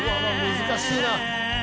難しいな。